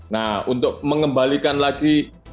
nah untuk mengembalikan lagi